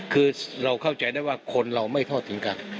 คือเราเข้าใจได้ว่าคนเราไม่ทอดทิ้งกัน